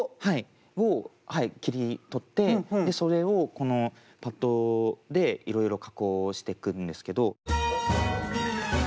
はいを切り取ってそれをパッドでいろいろ加工してくんですけど。